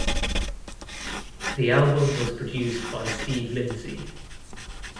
The album was produced by Steve Lindsey.